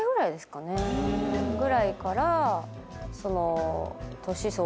ぐらいから。